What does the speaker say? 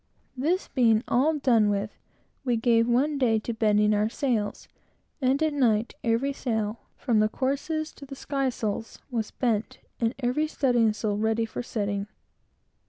This being all done with, we gave one day to bending our sails; and at night, every sail, from the courses to the skysails, was bent, and every studding sail ready for setting.